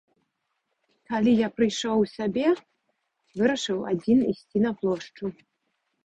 Калі я прайшоў у сябе, вырашыў адзін ісці на плошчу.